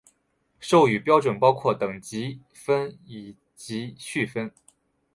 授予标准包括等级分以及序分。